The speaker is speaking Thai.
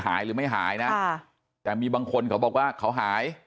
หรือไม่หายนะแต่มีบางคนเขาบอกว่าเขาหาย